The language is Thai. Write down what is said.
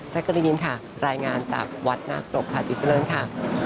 แจ๊กกะลีนค่ะรายงานจากวัดนาคตกภาคจิสเลิเง่นค่ะ